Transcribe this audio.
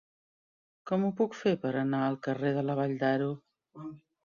Com ho puc fer per anar al carrer de la Vall d'Aro?